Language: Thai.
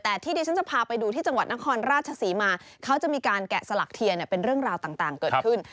แต่ที่ดิฉันจะพาไปดูที่จังหวัดนครราชศรีมาเขาจะมีการแกะสลักเทียนเป็นเรื่องราวต่างเกิดขึ้น